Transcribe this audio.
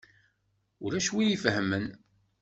Ulac win i ifehhmen.